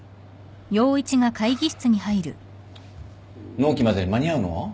納期までに間に合うの？